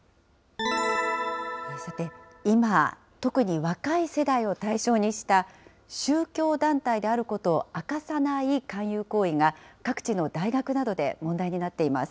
さて、今、特に若い世代を対象にした、宗教団体であることを明かさない勧誘行為が各地の大学などで問題になっています。